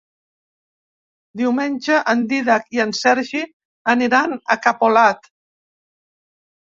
Diumenge en Dídac i en Sergi aniran a Capolat.